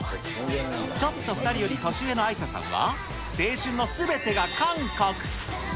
ちょっと２人より年上のあいささんは、青春のすべてが韓国。